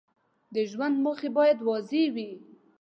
د ژوند موخې باید واضح وي.